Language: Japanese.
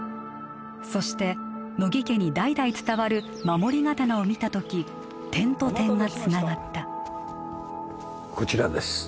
そして乃木家に代々伝わる守り刀を見たとき点と点がつながったこちらです